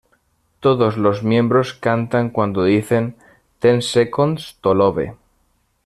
Todos los miembros cantan cuando dicen ""Ten Seconds to Love"".